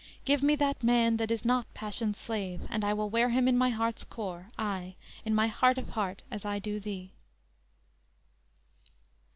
Give me that man That is not passion's slave, and I will wear him In my heart's core, ay, in my heart of heart As I do thee!"